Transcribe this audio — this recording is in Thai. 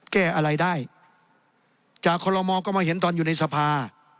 แก้อะไรได้จากคอลโลมอก็มาเห็นตอนอยู่ในสภา